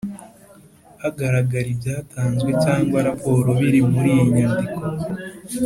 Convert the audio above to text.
Hagaragare ibyatanzwe cyangwa raporo biri muri iyi nyandiko